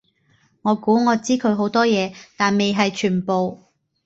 我估我知佢好多嘢，但未係全部